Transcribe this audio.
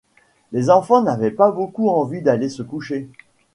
Les enfants n’avaient pas beaucoup envie d’aller se coucher.